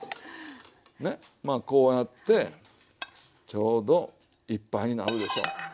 まあこうやってちょうどいっぱいになるでしょ。